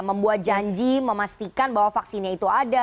membuat janji memastikan bahwa vaksinnya itu ada